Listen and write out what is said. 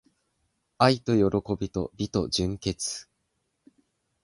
愛と喜びと美と純潔